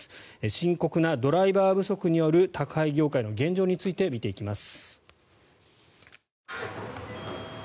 深刻なドライバー不足による宅配業界の現状について見ていきます。